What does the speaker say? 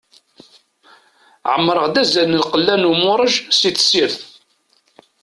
Ɛemmreɣ-d azal n lqella n umuṛej si tessirt.